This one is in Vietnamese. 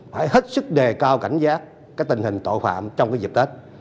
phải hết sức đề cao cảnh giác tình hình tội phạm trong dịp tết